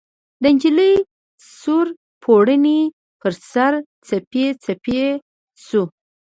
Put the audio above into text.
د نجلۍ سور پوړني ، پر سر، څپې څپې شو